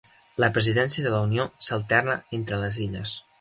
La presidència de la Unió s'alterna entre les illes.